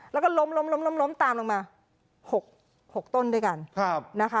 แล้วก็ล้มตามลงมา๖ต้นด้วยกัน